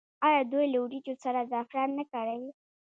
آیا دوی له وریجو سره زعفران نه کاروي؟